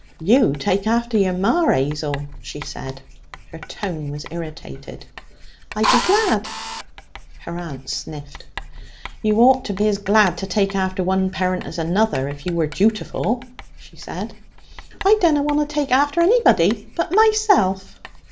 'You take after your ma, 'Azel,' she said. Her tone was irritated. 'I be glad.' Her aunt sniffed. 'You ought to be as glad to take after one parent as another, if you were jutiful,' she said. 'I dunna want to take after anybody but myself.'